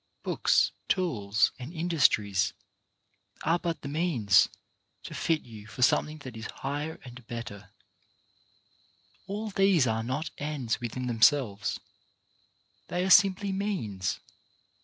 Books, tools, and industries are but the means to 141 i42 CHARACTER BUILDING fit you for something that is higher and better. All these are not ends within themselves; they are simply means.